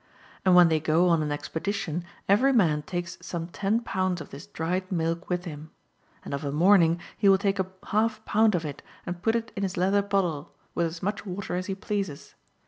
And when they go on an expedition, every man takes some ten pounds of this dried milk with him. And of a morning he will take a half pound of it and put it in his leather bottle, with as much water as he pleases.